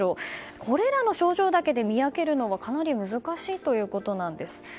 これらの症状だけで見分けるのはかなり難しいということなんです。